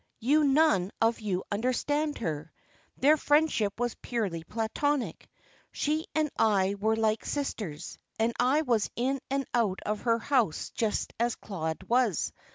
"You none of you understand her. Their friendship was purely platonic. She and I were like sisters, and I was in and out of her house just as Claude was.